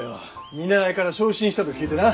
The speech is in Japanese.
見習いから昇進したと聞いてな。